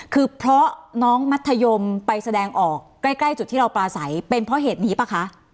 คือเพราะน้องมัธยมไปแสดงออกใกล้จุดที่เราปลาใสเป็นเพราะเหตุนี้ป่ะคะ